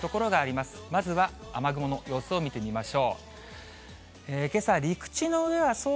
まずは雨雲の様子を見てみましょう。